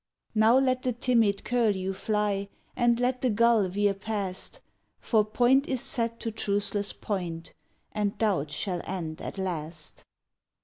Now let the timid curlew fly And let the gull veer past, For point is set to truceless point And doubt shall end at last.